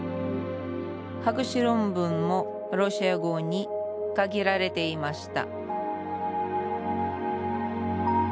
博士論文もロシア語に限られていました